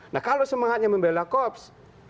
nah kalau semangatnya membela kops